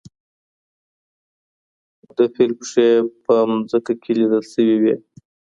د فیل پښې په ځمکه کې لیدل سوي وې.